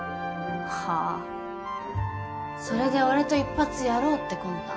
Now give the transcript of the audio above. ああそれで俺と一発やろうって魂胆？